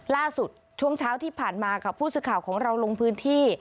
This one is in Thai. ช่วงเช้าที่ผ่านมาค่ะผู้สื่อข่าวของเราลงพื้นที่